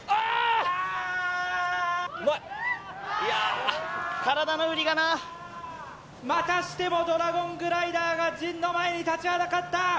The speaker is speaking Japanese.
うまいいや体の振りがなまたしてもドラゴングライダーが陣の前に立ちはだかった